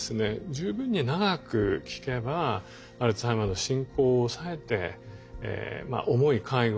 十分に長く効けばアルツハイマーの進行を抑えて重い介護の負担がですね